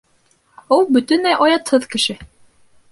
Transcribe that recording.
Ул бөтөнләй оятһыҙ кеше.